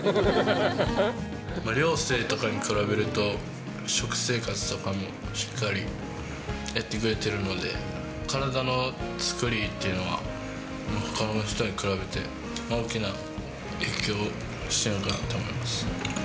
寮生とかに比べると、食生活とかもしっかりやってくれてるので、体の作りっていうのは、ほかの人に比べて、大きな影響してるのかなって思います。